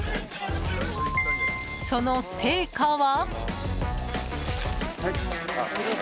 その成果は？